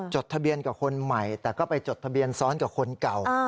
จดทะเบียนกับคนใหม่แต่ก็ไปจดทะเบียนซ้อนกับคนเก่า